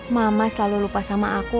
mama selalu lupa sama aku